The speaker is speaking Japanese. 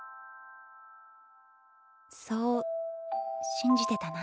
そう信じてたな。